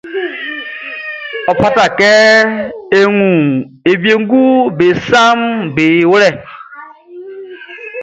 Ɔ fata kɛ a wun ɔ wienguʼm be saʼm be wlɛ.